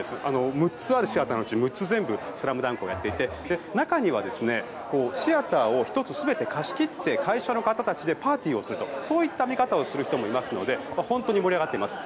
６つあるシアターのうち６つ全部「ＳＬＡＭＤＵＮＫ」をやっていて中にはシアターを１つ貸し切って会社の方たちでパーティーをするといった見方をする方たちもいますので本当に盛り上がっています。